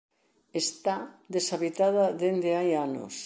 Está deshabitada dende hai anos.